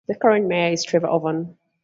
The current mayor is Trevor Overman.